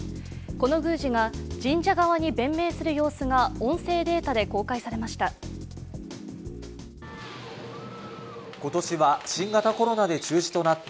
この宮司が神社側に弁明する様子が音声データで公開されました。